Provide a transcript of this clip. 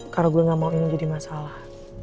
karena gue gak mau ini jadi masalah